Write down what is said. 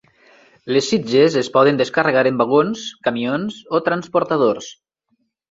Les sitges es poden descarregar en vagons, camions o transportadors.